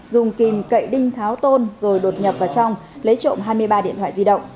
dùng kìm cậy đinh tháo tôn rồi đột nhập vào trong lấy trộm hai mươi ba điện thoại di động